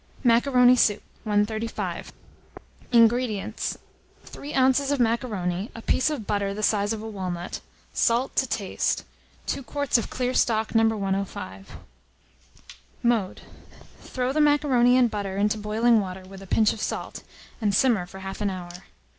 MACARONI SOUP. 135. INGREDIENTS. 3 oz. of macaroni, a piece of butter the size of a walnut, salt to taste, 2 quarts of clear stock No. 105. Mode. Throw the macaroni and butter into boiling water, with a pinch of salt, and simmer for 1/2 an hour.